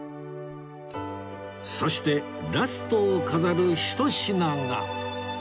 そしてラストを飾るひと品が